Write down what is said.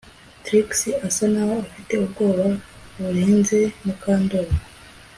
Trix asa naho afite ubwoba burenze Mukandoli